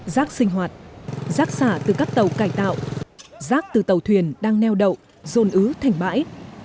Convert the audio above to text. rác sinh hoạt rác xả từ các tàu cải tạo rác từ tàu thuyền đang neo đậu rôn ứ thành bãi